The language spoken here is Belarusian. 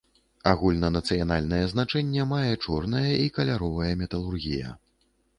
Агульнанацыянальнае значэнне мае чорная і каляровая металургія.